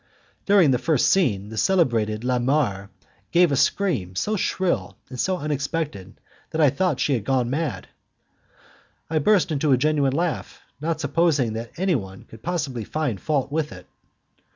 During the first scene the celebrated Le Maur gave a scream so shrill and so unexpected that I thought she had gone mad. I burst into a genuine laugh, not supposing that any one could possibly find fault with it.